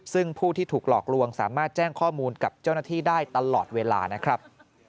ซึ่งผู้ที่ถูกหลอกลวงสามารถแจ้งข้อมูลกับเจ้าหน้าที่ได้ตลอดเวลานะครับ